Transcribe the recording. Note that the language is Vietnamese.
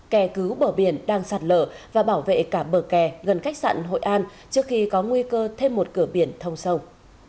kè cứu bờ biển đang sạt lở và bảo vệ cả bờ kè gần khách sạn hội an trước khi có nguy cơ thêm một cửa biển thông sông